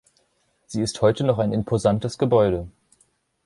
Sie ist heute noch ein imposantes Gebäude.